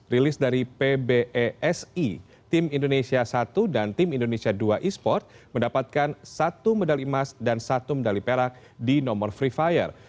rilis dari pbesi tim indonesia satu dan tim indonesia dua e sport mendapatkan satu medali emas dan satu medali perak di nomor free fire